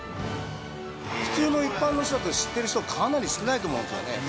普通の一般の人だと知ってる人はかなり少ないと思うんですよね。